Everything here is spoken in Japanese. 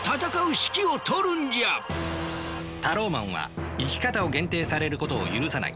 タローマンは生き方を限定されることを許さない。